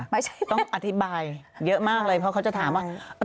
ต้องอธิบายเยอะมากเลยเพราะเขาจะถามว่า